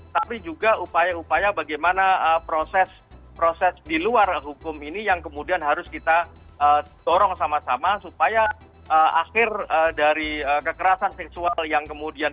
tapi juga upaya upaya bagaimana proses proses di luar hukum ini yang kemudian harus kita dorong sama sama supaya akhir dari kekerasan seksual yang kemudian